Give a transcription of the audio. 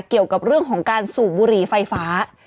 เกี่ยวกับเรื่องของการสูบบุหรี่ไฟฟ้า